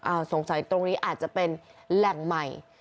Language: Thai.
สงสัยตรงนี้อาจจะเป็นแหล่งใหม่